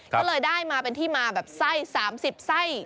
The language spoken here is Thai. ก็เลยได้มาเป็นที่มาแบบไส้๓๐ไส้